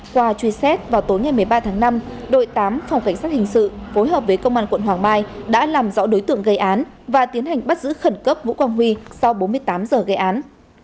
qua truy xét vào tối ngày một mươi ba tháng năm đội tám phòng cảnh sát hình sự phối hợp với công an quận hoàng mai đã làm rõ đối tượng gây án và tiến hành bắt giữ khẩn cấp vũ quang huy sau bốn mươi tám giờ gây án